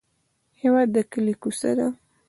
هېواد د کلي کوڅه ده.